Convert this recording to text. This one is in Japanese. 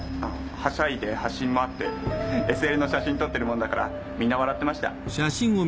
はしゃいで走り回ってＳＬの写真撮ってるもんだからみんな笑ってました。